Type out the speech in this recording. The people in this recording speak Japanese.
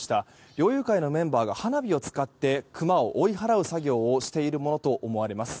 猟友会のメンバーが花火を使ってクマを追い払う作業をしているものと思われます。